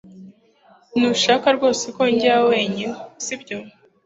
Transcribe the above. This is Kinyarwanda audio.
Ntushaka rwose ko njyayo wenyine sibyo